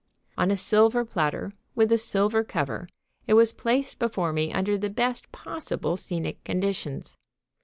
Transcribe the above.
On a silver platter, with a silver cover, it was placed before me under the best possible scenic conditions.